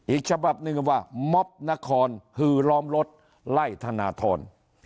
อีกฉบับหนึ่งว่าม็อบนครหือล้อมรถไล่ธนทร